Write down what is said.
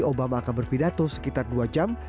obama akan berpidato sekitar dua jam